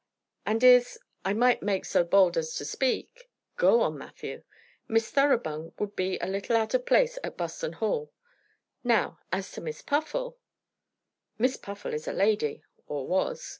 "And is I might make so bold as to speak?" "Go on, Matthew." "Miss Thoroughbung would be a little out of place at Buston Hall. Now, as to Miss Puffle " "Miss Puffle is a lady, or was."